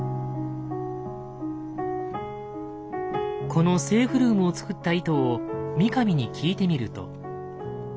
このセーフルームを作った意図を三上に聞いてみると。